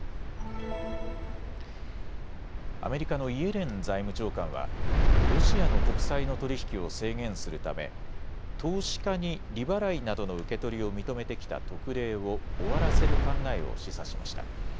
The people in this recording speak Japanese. アメリカのイエレン財務長官はロシアの国債の取り引きを制限するため、投資家に利払いなどの受け取りを認めてきた特例を終わらせる考えを示唆しました。